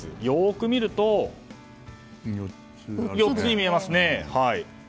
よく見ると、４つに見えますね。